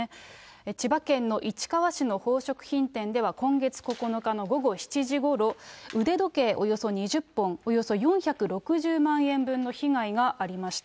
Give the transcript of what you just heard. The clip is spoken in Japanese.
千葉県の市川市の宝飾品店では、今月９日の午後７時ごろ、腕時計およそ２０本、およそ４６０万円分の被害がありました。